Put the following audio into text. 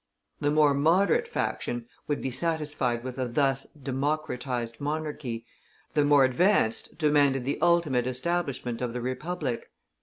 The more moderate faction would be satisfied with a thus "democratized" monarchy, the more advanced demanded the ultimate establishment of the republic.